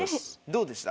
どうでした？